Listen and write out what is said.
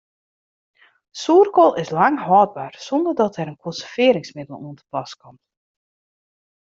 Soerkoal is lang hâldber sonder dat der in konservearringsmiddel oan te pas komt.